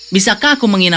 bisakah aku mengikuti